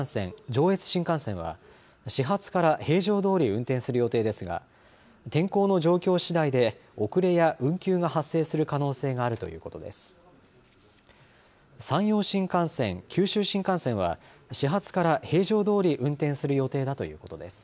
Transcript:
上越新幹線は始発から平常どおり運転する予定ですが天候の状況次第で遅れや運休が発生する可能性があるということです。